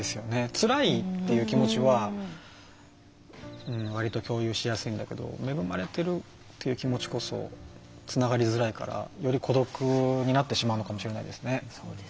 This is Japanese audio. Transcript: つらいっていう気持ちは割と共有しやすいんだけど恵まれているという気持ちこそつながりづらいからより孤独になってしまうかもしれないですね。